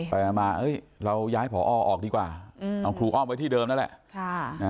ไปมาเราย้ายผอออกดีกว่าเอาครูอ้อมไว้ที่เดิมนั่นแหละ